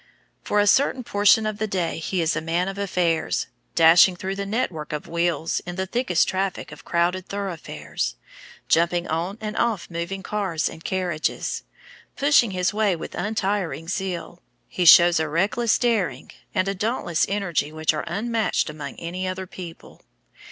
For a certain portion of the day he is a man of affairs. Dashing through the net work of wheels, in the thickest traffic of crowded thoroughfares, jumping on and off moving cars and carriages, pushing his way with untiring zeal, he shows a reckless daring and a dauntless energy which are unmatched among any other people.